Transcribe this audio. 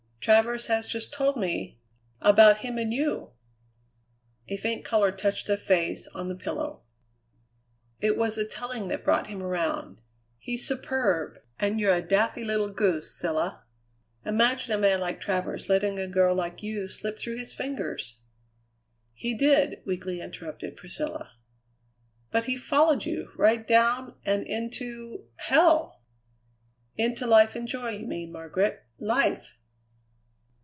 Travers has just told me about him and you!" A faint colour touched the face on the pillow. "It was the telling that brought him around. He's superb, and you're a daffy little goose, Cilla. Imagine a man like Travers letting a girl like you slip through his fingers." "He did!" weakly interrupted Priscilla. "But he followed you right down, and into hell!" "Into life and joy, you mean, Margaret life!"